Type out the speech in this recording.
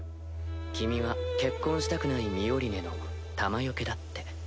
君は結婚したくないミオリネの弾よけだって。